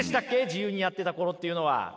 自由にやってた頃っていうのは。